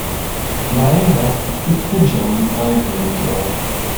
Ryan asked to speak to Jones by radio.